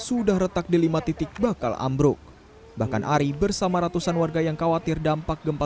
sudah retak di lima titik bakal ambruk bahkan ari bersama ratusan warga yang khawatir dampak gempa